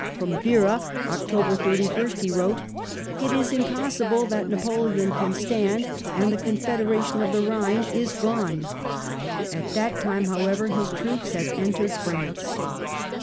From Vera, October 31st, he wrote, " It is impossible that Napoleon can stand, and the Confederation of the Ehine is gone." At that time, however, his troops had entered France.